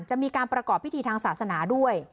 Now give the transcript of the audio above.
จะมีการประกอบพิธีทางศาสนาด้วย